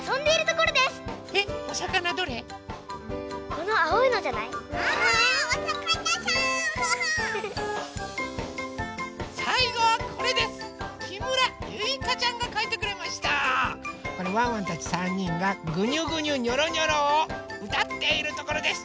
これワンワンたち３にんが「ぐにゅぐにゅにょろにょろ」をうたっているところです。